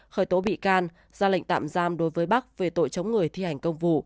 khởi tố bị can ra lệnh tạm giam đối với bắc về tội chống người thi hành công vụ